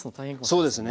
そうですね。